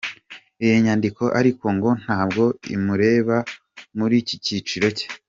Iyi nyandiko ariko ngo ntabwo imureba mu kiciro cye.